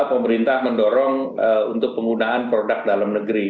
pemerintah mendorong untuk penggunaan produk dalam negeri